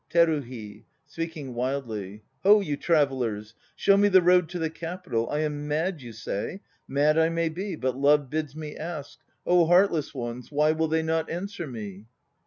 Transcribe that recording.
TERUHI (speaking wildly). Ho, you travellers! Show me the road to the Capital! I am mad, you say? Mad I may be; but love bids me ask. heartless ones! why will they not answer me?